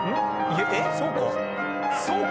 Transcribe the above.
えっそうか？